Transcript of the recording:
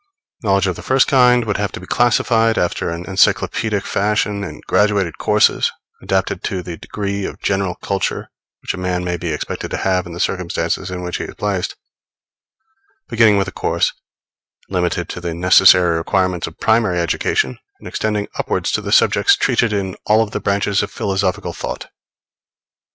Knowledge of the first kind would have to be classified, after an encyclopaedic fashion, in graduated courses, adapted to the degree of general culture which a man may be expected to have in the circumstances in which he is placed; beginning with a course limited to the necessary requirements of primary education, and extending upwards to the subjects treated of in all the branches of philosophical thought.